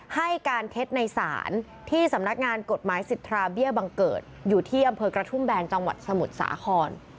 ให้การเท็จในศาลที่สำนักงานกฎหมายสิทธาเบี้ยบังเกิดอยู่ที่อำเภอกระทุ่มแบนจังหวัดสมุทรสาคร